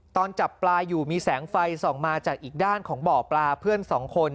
ตอนจับปลาอยู่มีแสงไฟส่องมาจากอีกด้านของบ่อปลาเพื่อนสองคน